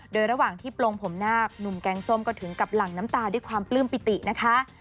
โดยระหว่างที่ปลงผมนาคหนุ่มแกงส้มก็ถึงกับหลั่งน้ำตาด้วยความปลื้มปิตินะคะ